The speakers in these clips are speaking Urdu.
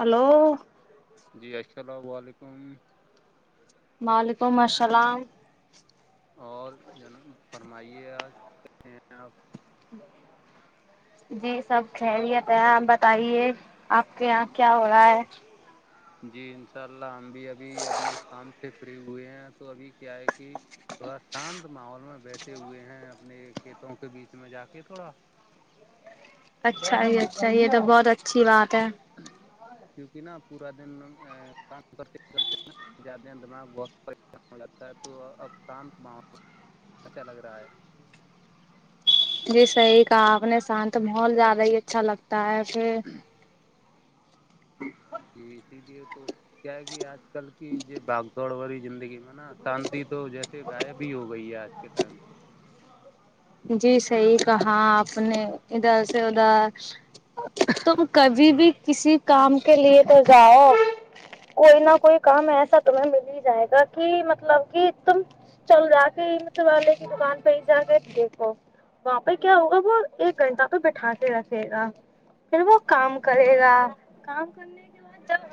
ہلو جی السلام علیکم وعلیکم السلام اور جوناب فرمائیے آپ آپ جی سب خیلیت ہے آپ بتائیے آپ کے یہاں کیا ہو رہا ہے جی انشاء اللہ ہم بھی ابھی اپنے کام سے فری ہوئے ہیں تو ابھی کیا ہے کہ تھوڑا شانت ماحول میں بیٹھے ہوئے ہیں اپنے کھیتوں کے بیچ میں جا کے تھوڑا اچھا یہ اچھا یہ تو بہت اچھی بات ہے کیونکہ نا پورا دن کام کرتے کرتے جاتے ہیں دماغ بہت پریشان ہو جاتا ہے تو اب شانت م اچھا لگ رہا ہے جی صحیح کہاپ نے شانت محول زیادہ ہی اچھا لگتا ہے پھر جی اسی لیے تو کیا کہ آج کل کی جو باگ دوڑ ہو رہی زندگی میں نا شانتی تو جیسے غائب ہی ہو گئی ہے آج تاائم جی صحیح کہا آپ نے ادھر سے ادھر تم کبھی بھی کسی کام کے لیے تو جاؤ کوئی نہ کوئی کام ایسا تمہیں مل ہی جائے گا کہ مطلب کہ تم چل جا کے م سے والے کی مکان پہ ہی جا گ وہاں پہ کیا ہوگا وہ ایک گھنٹہ پہ بٹھاتے رکھے گا پھر وہ کام کرے گا کام کرنے کے بعد جب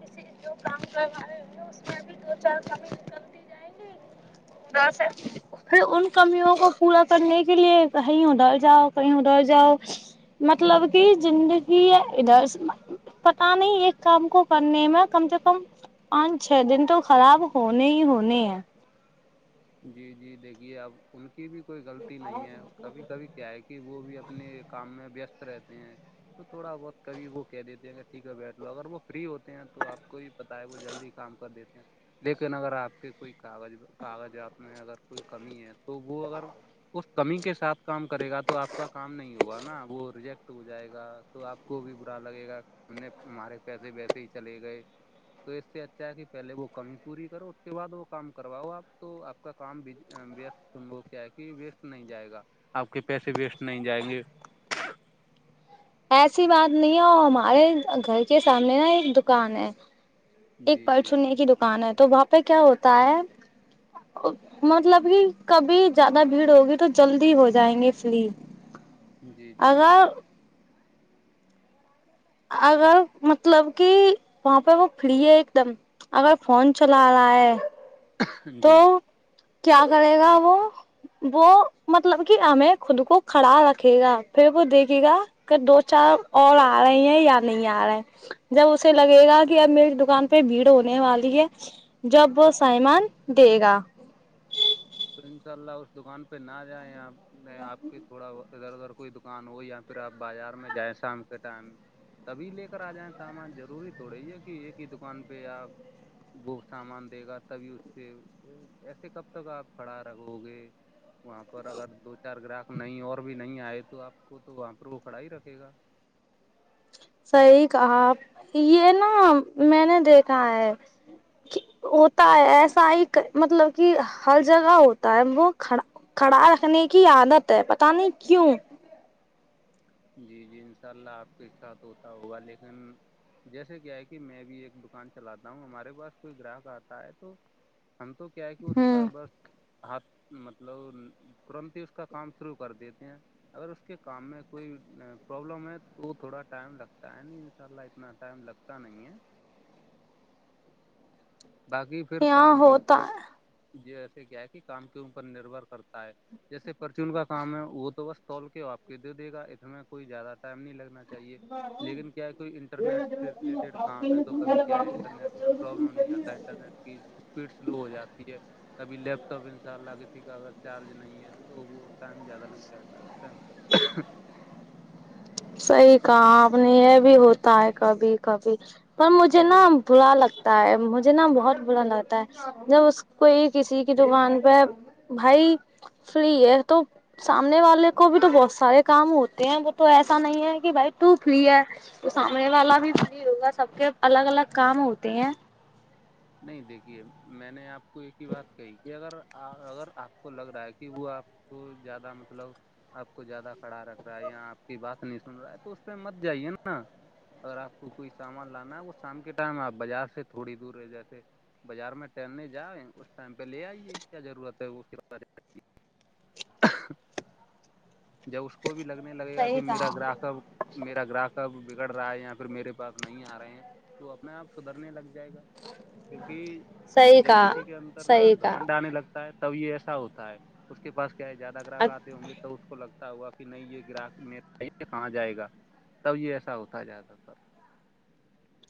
کسی جو کام کرو رہے ہو اس میں بھی دو چار کمی نکلتی جائے س پھر ان کمیوں کو پورا کرنے کے لیے کہیں ادھر جاؤ کہیں ادھر جاؤ مطلب کہ زندگی ہے ادھر پتا نہیں ایک کام کو کرنے میں کم سے کم پانچ چھ دن تو خراب ہونے ہی ہونے ہیں جی جی دیکھیے اب ان کی بھی کوئی غلطی نہیں ہے کبھی کبھی کیا ہے کہ وہ بھی اپنے کام میں وست رہتے ہیں تو تھوڑا بہت کبھی وہ کہہ دیتے ہیں کہ ٹھیک ہے بیٹھ لو اگر وہ فری ہوتے ہیں تو آپ کو بھی بتا ہے وہ جلدی کام کر دیتے ہیں لیکن اگر آپ کے کوئی کاغذ کاغذ پ آپ میں اگر کوئی کمی ہے تو وہ اگر اس کمی کے ساتھ کام کرے گا تو آپ کا کام نہیں ہوگا نا وہ ریجیکٹ ہو جائے گا تو آپ کو بھی برا لگے گا ہم نے ہمارے پیسے ویسے ہی چلے گئے تو اس سے اچھا ہے کہ پہلے وہ کمی پوری کرو اس کے بعد وہ کام کرواؤ آپ تو آپ کا کام کیا ہے کہ ویسٹ نہیں جائے گا آپ کے پیسے ویسٹ نہیں جائیں گے ایسی بات نہیں ہے ہمارے گھر کے سامنے نا ایک دکان ہے ایک جی پر جی چونے کی دکان ہے تو وہاں پہ کیا ہوتا ہے مطلب کہ کبھی زیادہ بھیڑ ہوگی تو جلدی ہو جائیں گے فلی- جی -جی اگر مطلب کہ وہاں پہ وہ فری ہے ایک دم- اگر فون چلا رہا ہے تو جی کیا کرے گا وہ- وہ مطلب کہ ہمیں خود کو کھڑا رکھے گا پھر وہ دیکھے گا- کہ دو چار اور آ رہے ہیں یا نہیں آ رہے- جب اسے لگے گا کہ اب میری دکان پہ بھیڑ ہونے والی ہے- جب وہ سائمان دے گا- تو ان شاء اللہ اس دکان پہ نہ جائیں آپ نے آپ کی- تھوڑا ادھر ادھر کوئی دکان ہو یا پھر آپ بازار میں جائیں شام کے ٹائم- تبھی لے کر آ جائیں سامان ضروری تھوڑی ہے کہ ایک ہی دکان پہ آپ- وہ سامان دے گا تبھی اس سے ایسے کب تک آپ کھڑا رو گے- وہاں پر اگر دو چار گراہک نہیں اور بھی نہیں آئے تو آپ کو تو وہاں پر وہ کھڑا ہی رکھے گا- صحیح کہا یہ نا میں نے دیکھا ہے- ہوتا ہے ایسا ہی مطلب کہ ہر جگہ ہوتا ہے وہ کھا- کھڑا رکھنے کی عادت ہے پتہ نہیں کیوں- جی- جی انشاء اللہ آپ کے ساتھ ہوتا ہوگا لیکن جیسے کیا ہے کہ میں بھی ایک دکان چلاتا ہوں ہمارے پاس کوئی گراہک آتا ہے تو- ہم تو کیا ہے کہ اس کا ہوں بس- ہھ مطلب ترنت ہی اس کا کام شروع کر دیتے ہیں اگر اس کے کام میں- کوئی پرابلم ہے تو تھوڑا ٹائم لگتا ہے نہیں ان شاء اللہ اتنا ٹائم لگتا نہیں ہے- باقی پھر یہاں کام کے ہوتا اوپر ہے ج ایسے کیا ہے کہ کام کے اوپر نربھر کرتا ہے- جیسے پرچون کا کام ہے وہ تو بس توول کے آپ کے دے دے گا اس میں کوئی زیادہ ٹائم نہیں لگنا چاہیے- لیکن کیا کوئی انٹرنیٹ سے ریلیٹڈ کام ہے تو کبھی کیا ہے انٹرنیٹ کا پرابلم نہیں آتا- نیٹ کی اسپیڈ سلو ہو جاتی ہے کبھی لیپ ٹاپ ان شاء اللہ کسی کا اگر چارج نہیں ہے تو- تو وہ ٹائم زیادہ لگتا رہتا ہے اس ٹائم پہ- صحیح کہا آپ نے یہ بھی ہوتا ہے کبھی کبھی پر مجھے جی نا- برا لگتا ہے مجھے نا بہت برا لگتا ہے- جب اس کوئی کسی کی دکان پہ بھائی- فری ہے تو سامنے والے کو بھی تو بہت سارے کام ہوتے ہیں وہ تو ایسے- ایسا نہیں ہے کہ بھائی ت فری ہے- تو سامنے والا بھی فی ہوگا سب کے الگ الگ کام ہوتے ہیں- نہیں دیکھیے میں نے آپ کو ایک ہی بات کہی کہ اگر اگر آپ کو لگ رہا ہے کہ وہ آپ- تو زیادہ مطلب- آپ کو زیادہ کھڑا رکھ رہا ہے یا آپ کی بات نہیں سن رہا ہے تو اس پہ مت جائیے نا- نا- اگر آپ کوئی سامان لانا ہے وہ شام کے ٹائم آپ بازار سے تھوڑی دور رہ جاتے- بازار میں ٹرنے جا اس ٹائم پہ لے آئیے کیا ضرورت ہے- جب اس کو بھی لگنے لگے گا کہ صحیح میرا کہا گراہک- میرا گراہک اب بگڑ رہا ہے یا پھر میرے پاس نہیں آ رہے ہیں تو اپنے آپ سدھرنے لگ جائے گا- کیونکہ صحیح جب کہا کسی کے انتر نا صحیح کہا گمنڈ آنے لگتا- تب یہ ایسا ہوتا ہے اس کے پس کیا ہے زیادہ گراہ آتے ہوں گے تو اس کو لگتا- ہوا کہ نہیں یہ گراہک م کہاں جائے گا تب یہ ایسا ہوتا جائے گا سر-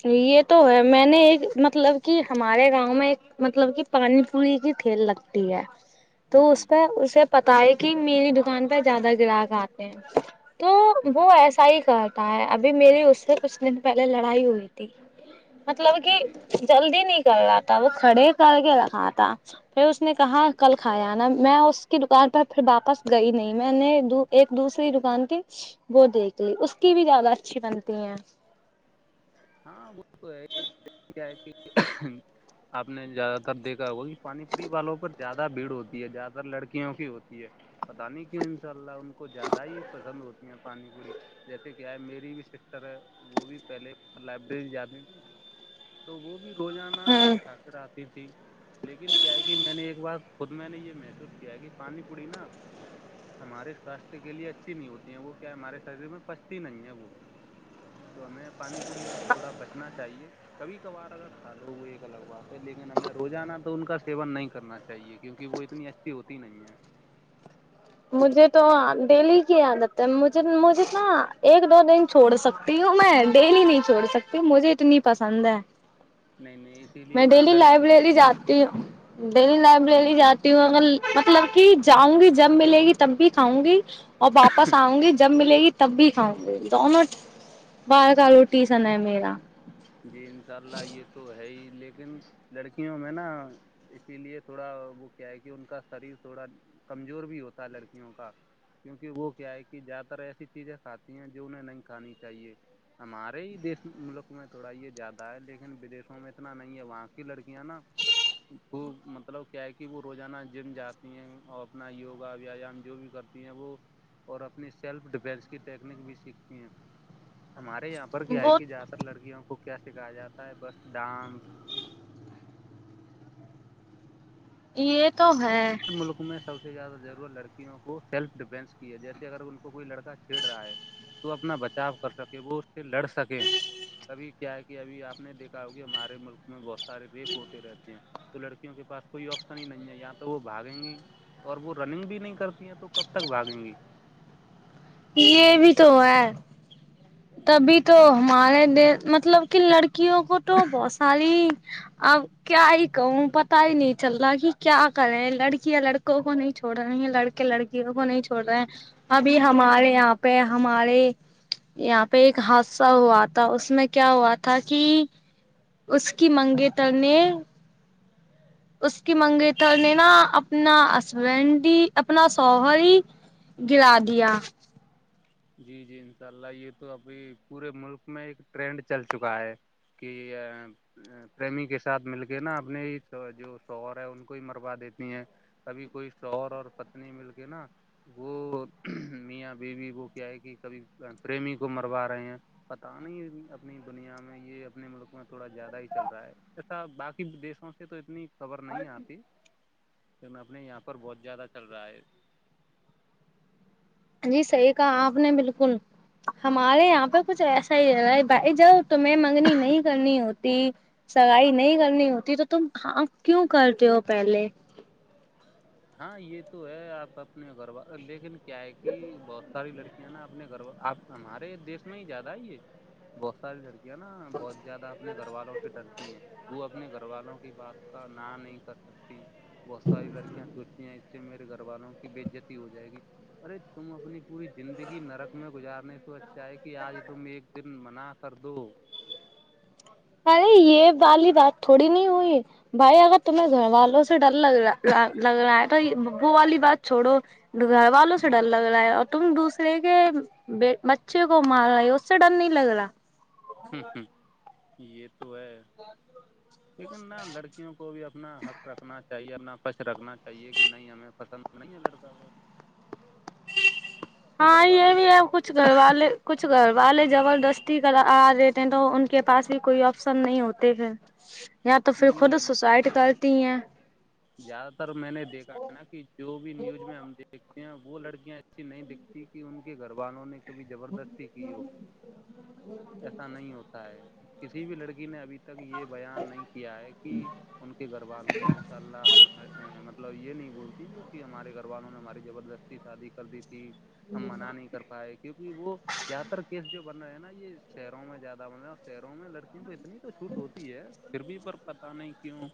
یہ تو ہے میں نے ایک مطلب کہ ہمارے گاؤں میں ایک مطلب کہ پانی- پوری کی کھیل لگتی ہے تو جی اس جی پہ اسے پتا ہے کہ میری دکان پہ زیادہ گراہک آتے ہیں- تو وہ جی ایسا ہی کرتا ہے ابھی میری اس سے کچھ دن پہلے لڑائی ہوئی تھی- مطلب کہ جی جلدی نہیں کر رہا تھا وہ کھڑے کر کے رکھا تھا- پھر اس نے کہا کل کھایا نا میں اس کی دکان پر پھر واپس گئی نہیں میں نے- ایک دوسری دکان کی وہ دیکھ اس کی بھی زیادہ اچھی بنتی ہیں- ہاں ب تو ہے کیا ہے کہ آپ نے زیادہ تر دیکھا ہوگا کہ پانی پری والوں پر زیادہ بھیڑ ہوتی ہے زیادہ تر لڑکیوں کی ہوتی ہے پتا نہیں کیوں ان شاء اللہ ان کو زیادہ ہی پسند ہوتی ہیں پانی پوڑی جیسے کہ ہے میری بھی سسٹر ہے وہ بھی پہلے لائبریری جاتی تھی تو وہ بھی روزانہ ہوں کھااک آتی تھی لیکن کیا ہے کہ میں نے ایک بار خود میں نے یہ محسوس کیا کہ پانی پڑی نا ہمارے سوستھ کے لیے اچھی نہیں ہوتی ہیں وہ کیا ہمارے شریر میں پھستتی نہیں ہے وہ تو ہمیں پانی پوروریوں سے تھوڑا بچنا چاہیے کبھی کبھار اگر کھا لو وہ ایک الگ بات ہے لیکن ہمیں روزانہ تو ان کا سیون نہیں کرنا چاہیے کیونکہ وہ اتنی اچ ہوتی نہیں ہے مجھے تو ڈیلی کی عادت ہےجھ مجھے نا ایک دو دن چھوڑ سکتی ہوں میں ڈیلی نہیں چھوڑ سکتی مجھے اتنی پسند ہے نہیں نہیں اسی لیے میں نا ڈیلی لڑکیوں لائبریری جاتا ہ ہ ڈیلی لائبریری جاتی ہوں اگر مطلب کہ جاؤں گی جب ملے گی تب بھی کاؤں گی اور واپس آؤں گی جب ملے گی تو تب بھی کاؤں گی توون باہر کا روٹی سنا ہے میرا جی انشاء اللہ یہ تو ہے ہی لیکن لڑکیوں میں نا اسی لیے تھوڑا وہ کیا ہے کہ ان کا شریر تھوڑا کمزور بھی ہوتا ہے لڑکیوں کا کیونکہ وہ کیا ہے کہ زیادہ تر ایسی چیزیں کھاتی ہیں جو انہیں نہیں کھانی چاہیے ہمارے ہی دیش ملک میں تھوڑا یہ زیادہ ہے لیکن بدشوں میں اتنا نہیں ہے وہاں کی لڑکیاں نا خوب مطلب کیا ہے کہ وہ روزانہ جم جاتی ہیں اور اپنا یوگا ویایام جو بھی کر ہیں وہ اور اپنی سیلف ڈیفینس کی ٹیکنیک بھی سیکھتی ہیں ہمارے یہاں پر کیا ہے وہ کہ جیاد تر لڑکیوں کو کیا سکھایا جاتا ہے بس ڈانس یہ تو ہے ملک میں سب سے زیادہ ضرورت لڑکیوں کو سیلف ڈیفینس کی ہے جیسے اگر ان کوئی لڑکا چھیڑ رہا ہے تو اپنا بچاؤ کر سکے وہ اس سے لڑ سکیں کبھی کیا ہے کہ ابھی آپ نے دیکھا ہو کہ ہمارے ملک میں بہت سارے ریپ ہوتے رہتے ہیں تو لڑکوں کے پاس کوئی آپشن ہی نہیںن گ ہے یہاں تو وہ بھاگیں گی اور وہ رننگ بھی نہیں کرتی ہیں تو کب تک بھاگیں گی یہ بھی تو ہے جی تبھی تو ہمارے د مطلب کن لڑکیوں کو تو بہت سالی اب کیا ہی کہوں پتا ہی نہیں چل رہا کہ کیا کریں لڑکیاںیا لڑکوں کو نہیں چھوڑ رہی ہیں لڑکے لڑکے وں کو نہیں چھوڑ رہے ہیں ابھی ہمارے یہاں پہ ہمارے یہاں پہ ایک حادثہ ہوا تھا اس میں کیا ہوا تھا کہ اس کی منگیں ترنے اس کی منگیتر نے نا اپنا ہسبینڈ اپنا سوہری گرا دیا جی جی انشاء اللہ یہ تو ابھی پورے ملک میں ایک ٹرینڈ چل چکا ہے کہ ا پریمی کے ساتھ مل کے نا اپنے جو شوہر ہے ان کو ہی مروا دیتی ہیں کبھی کوئی شوور اور پتنی مل کے نا وہ میاں بیوی وہ کیا ہے کہ کبھی پرریمی کو مروا رہے ہیں پت نہیں اپنی دنیا میں یہ اپنے ملک میں تھوڑا زیادہ ہی چل رہا ہے جسا باقی دی سے تو اتنی خبر نہیں آتی ل اپنے یہاں پر بہت زیادہ چل رہا ہے جی صحیح کہا آپ نے بالکل ہمارے یہاں پہ کچھ ایسا ہی ہے رہا بھائی جب تو میں منگنی نہیں کرنی ہوتی سگائی نہیں کرنی ہوتی تو تم ہپ کیوں کرتے ہو پہلے ہاں یہ تو ہے آپ اپنے گھرب دیکن کیا ہے کہ بہت ساری لڑکی کیا نا اپنے گھر آپ ہمارے دیش میں ہی زیادہ ہے یہ بہت ساری لرکیاں نا بہت زیادہ اپنے گھر والوں سے ڈرتی ہیں وہ اب اپنے گھر والوں کی بات کا ن نہیں کر سکتی بہت ساری لڑکیاں سوچتی ہیں اس سے میرے گھر والوں کی بےزتی ہو جائے گی ارے تم اپنی پوری زندگی نرک میں گزارنے سے اچھا ہے کہ آج تم ایک دن منا سر دو ا یہ والی بات تھوڑی نہیں ہوئی بھائی اگر تمہیں گھر والوں سے ڈر لگ رہا لگ رہا ہے تو ابو والی بات چھوڑو ڈ والوں سے ڈر لگ رہا ہے اور تم دوسرے کے بچے کو مار رہا ہے اس سے ڈر نہیں لگ رہا یہ تو ہے لیکن نہ لڑکیوں کو بھی اپنا حق رکھنا چاہیے اپنا فش رکھنا چاہیے کہ نہیں ہمیں پسند نہیں ہے لڑکا پر گھر ہاں یہ والے بھی کی ہے کچھ گھروا لے کچھ گھر والے زبردستی کر آ رہے تھے تو ان کے پاس بھی کوئی آپشن نہیں ہوتے تھے یا تو پھر نہیں خود نہیں سوسائٹ کرتی ہیں زیادہ تر میں نے دیکھا ہے نا کہ جو بھی نیوز میں ہم دیکھتے ہیں وہ لڑکیاں کسی نہیں دکھتی کہ ان کے گھر والوں نے بھی زبردستی کی ہو ایسا نہیں ہوتا ہے کسی بھی لڑکی نے ابھی تو تک یہ بیان نہیں کیا ہے کہ ان کے گھر والوں نے ان سے ہمیں مطلب یہ نہیں بولتی کی کہ ہمارے گھر والوں نے ہماری زبردستی شادی کر دی تھی ہم منع نہیں کر پائے کیونکہ وہ زیادہ تر کیس جو بن رہے ہے نا یہ شہروں میں زیادہ بن رہا ہے اور شہروں میں لڑکیں اتنی تو چھوٹ ہوتی ہے پھر بھی پر پتاہ نہیں کیوں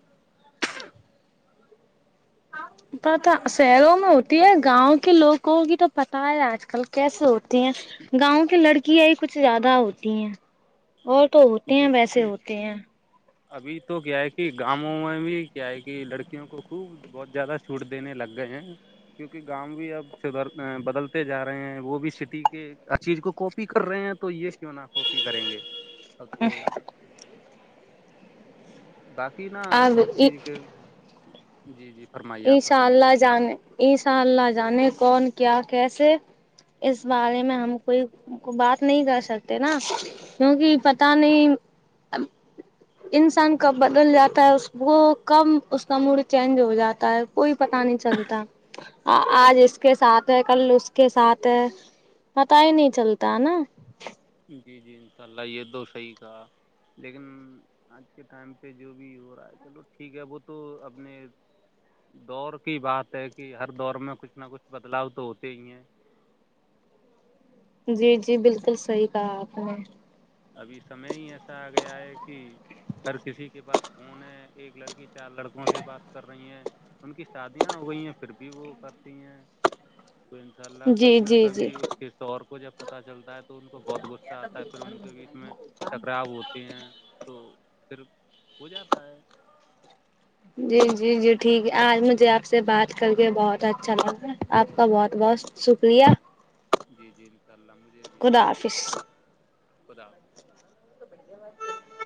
پتا شہروں میں ہوتی ہے گاؤں کے لوگوں کی تو پتا ہے آج کل کیسے ہوتی ہیں گاؤں کی لڑکیاں ہی کچھ زیادہ ہوتی ہیں اور تو ہوتے جی ہیں ویسے ہوتے ہیں ابھی تو کیا ہے کہ گاؤوں میں بھی کیا ہے کہ لڑکیوں کو خوب بہت زیادہ چھوٹ دینے لگ گئے ہیں کیونکہ گاؤں بھی اب بدل جا رہے ہیں وہ بھی سٹی کے چیز کو کاپی کر رہے ہیں تو یہ کیوں نہ کاپی کریں گے ہ تو باقی نا اب ہر چیز کے جی جی فرمائیے انشاء فرمائیے اللہ جانے ایشاء اللہ جانے کون کیا کیسے اس بارے میں ہم کوئی کو بات نہیں کر سکتے نا کیونکہ پت نہیں انسان کب بدل جاتا ہے اس وہ کب اس کا موڈ چینج ہو جاتا ہے کوئی پتا نہیں چلتا آج اس کے ساتھ ہے کل اس کے ساتھ ہے پتا ہی نہیں چلتا ہے نا جی جی ان شاء اللہ یہ تو صحیح کا لیکن آج کے ٹائم پہ جو بھی ہو رہا ہے چلو ٹھیک ہے وہ تو اپنے دور کی بات ہے کہ ہر دور میں کچھ نہ کچھ بدلاؤ تو ہوتے ہی ہیں جی جی بالکل صحیح کہا آپ نے ابھی سمے ہی ایسا آ گیا ہے کہ ہر کسی کے پاس فون ہے ایک لڑکی چار لڑکوں سے بات کر رہی ہیں ان کی شادیاں ہو گئی ہیں پھر بھی وہ کرتی ہیں تو انشاء اللہ جی کبھی نہ جی جی کبھی اس کسی اور کو جب پتہ چلتا ہے تو ان کو بہت غصہ آتا ہے پھر ان اس کے بیچ میں کراو ہوتے ہیں تو پھر ہو جاتا ہے جی جی جی ٹھیک ہے آج مجھے آپ سے بات کر کے بہت اچھا چل آپ کا بہت بہت شکریہ جی جی انشاء اللہ مجھے ابھی آپ خدا سے بہت اچ حافظ خدا آ